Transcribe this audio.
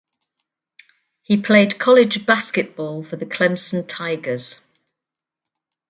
He played college basketball for the Clemson Tigers.